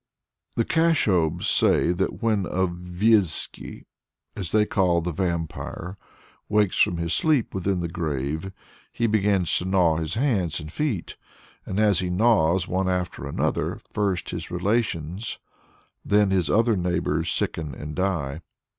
The Kashoubes say that when a Vieszcy, as they call the Vampire, wakes from his sleep within the grave, he begins to gnaw his hands and feet; and as he gnaws, one after another, first his relations, then his other neighbors, sicken and die.